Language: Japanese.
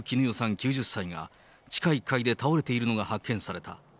９０歳が、地下１階で倒れているのが発見された。